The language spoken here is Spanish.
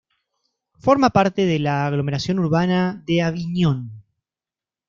Forma parte de la aglomeración urbana de Aviñón.